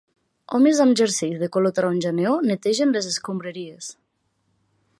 Homes amb jerseis de color taronja neó netegen les escombraries.